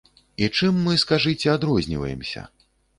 І чым мы, скажыце, адрозніваемся?